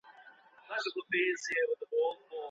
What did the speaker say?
شرعیاتو پوهنځۍ په ناڅاپي ډول نه انتقالیږي.